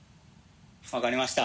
分かりました。